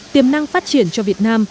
tiềm năng phát triển cho việt nam